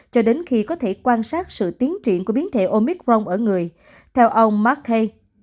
cho đến khi có thể quan sát sự tiến triển của biến thể omicron ở người theo ông market